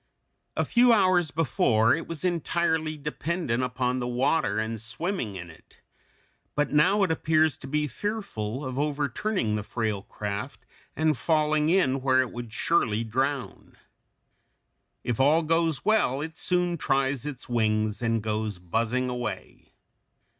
A few hours before it was entirely dependent upon the water and swimming in it, but now it appears to be fearful of overturning the frail craft and falling in where it would surely drown. If all goes well, it soon tries its wings and goes buzzing away.